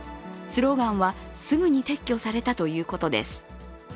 スローガンはすぐに撤去されたということです。